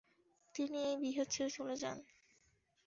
তিনি এই বিহার ছেড়ে চলে যান।